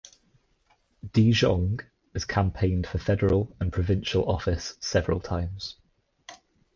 De Jong has campaigned for federal and provincial office several times.